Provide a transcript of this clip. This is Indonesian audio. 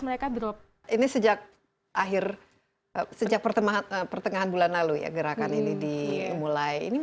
mereka ini sejak akhir sejak pertengahan pertengahan bulan lalu ya gerakan ini dimulai ini